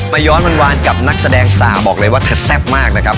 ย้อนวานกับนักแสดงสาวบอกเลยว่าเธอแซ่บมากนะครับ